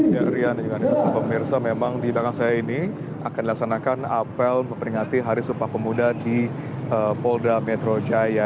ya rian dan juga pemirsa memang di belakang saya ini akan dilaksanakan apel memperingati hari sumpah pemuda di polda metro jaya